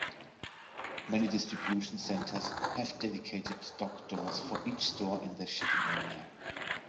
Many distribution centers have dedicated dock doors for each store in their shipping area.